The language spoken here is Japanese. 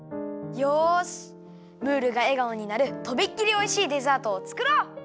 よしムールがえがおになるとびっきりおいしいデザートをつくろう。